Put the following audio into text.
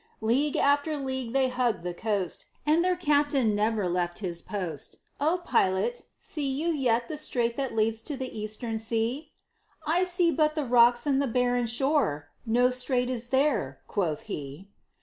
League after league they hugged the coast, And their Captain never left his post: "O Pilot, see you yet the strait that leads to the Eastern Sea?" "I see but the rocks and the barren shore; no strait is there," quoth he.